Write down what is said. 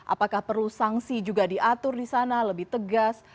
apakah perlu sanksi juga diatur di sana lebih tegas